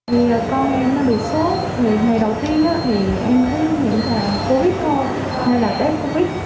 vì con em nó bị sốt thì ngày đầu tiên thì em cứ nhận thả covid thôi